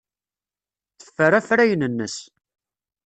Teffer afrayen-nnes.